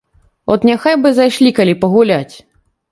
От няхай бы зайшлі калі пагуляць.